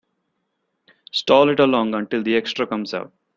Stall it along until the extra comes out.